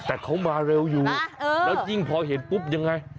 แต่เขามาเร็วอยู่แล้วยิ่งพอเห็นปุ๊บยังไง